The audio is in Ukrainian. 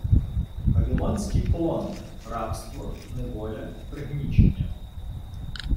Вавілонський полон - «рабство», «неволя», «пригнічення».